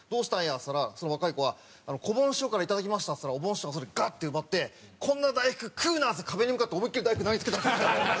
っつったらその若い子は「こぼん師匠からいただきました」っつったらおぼん師匠がそれをガッて奪って「こんな大福食うな！」っつって壁に向かって思いっきり大福投げつけたんですよ。